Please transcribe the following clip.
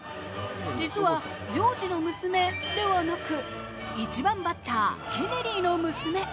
実はジョージの娘ではなく１番バッター、ケネリーの娘。